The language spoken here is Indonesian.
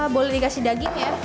boleh dikasih daging ya